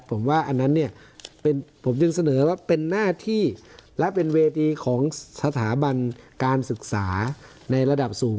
ผมว่าอันนั้นเนี่ยผมจึงเสนอว่าเป็นหน้าที่และเป็นเวทีของสถาบันการศึกษาในระดับสูง